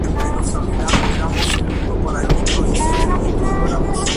Su presencia es incierta en Gabón, República del Congo y Cabinda.